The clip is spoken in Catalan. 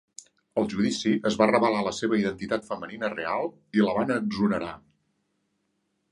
Al judici, es va revelar la seva identitat femenina real i la van exonerar.